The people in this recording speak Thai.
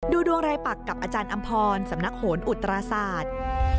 ดวงรายปักกับอาจารย์อำพรสำนักโหนอุตราศาสตร์